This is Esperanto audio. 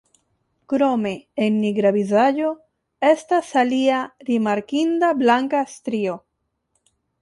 Krome en nigra vizaĝo estas alia rimarkinda blanka strio.